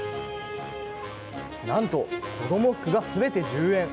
なんと、子ども服がすべて１０円。